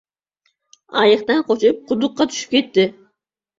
• Ayiqdan qochib, quduqqa tushib ketdi.